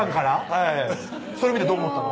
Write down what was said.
はいそれ見てどう思ったの？